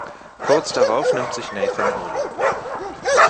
Kurz darauf nimmt sich Nathan Urlaub.